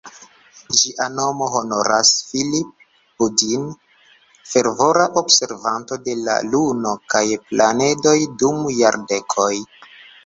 Ĝia nomo honoras "Phillip Budine", fervora observanto de la Luno kaj planedoj dum jardekoj.